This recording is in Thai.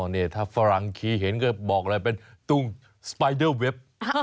นี่ถ้าฝรั่งคีย์เห็นก็บอกเลยเป็นตุ้งสไปเดอร์เว็บ